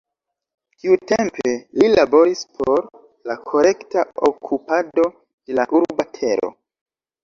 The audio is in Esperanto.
Tiutempe, li laboris por la korekta okupado de la urba tero.